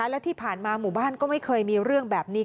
และที่ผ่านมาหมู่บ้านก็ไม่เคยมีเรื่องแบบนี้